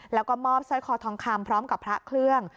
แล้วก็มอบสร้อยคอทองคำพร้อมกับพระเครื่อง